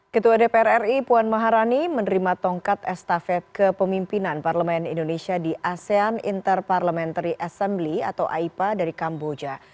ketua dpr ri puan maharani menerima tongkat estafet kepemimpinan parlemen indonesia di asean interparliamentary assembly atau aipa dari kamboja